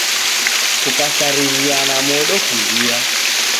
Kukasarighia na modo kuhia